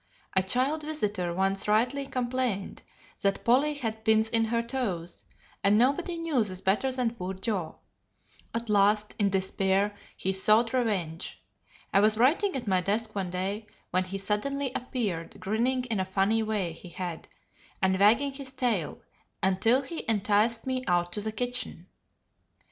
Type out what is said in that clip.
A child visitor once rightly complained that Polly had pins in her toes, and nobody knew this better than poor Joe. At last, in despair, he sought revenge. I was writing at my desk one day, when he suddenly appeared, grinning in a funny way he had, and wagging his tail, until he enticed me out to the kitchen.